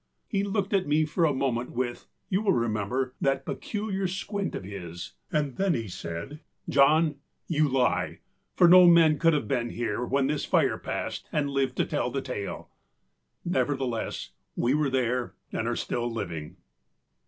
â He looked at me for a moment with, you will remember, that peculiar squint of his and then he said, âJohn, you lie, for no man could have been here when this fire passed and lived to tell the tale.â Nevertheless we were there, and are still living.